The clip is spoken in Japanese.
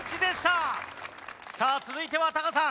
さあ続いてはタカさん